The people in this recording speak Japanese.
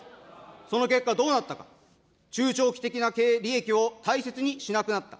その結果、どうなったか、利益を大切にしなくなった。